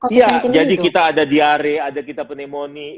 jadi misalnya kita ada diare ada kita pneumonia